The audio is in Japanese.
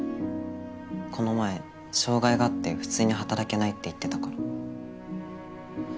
この前障害があって普通に働けないって言ってたから。